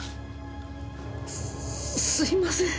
すすいません。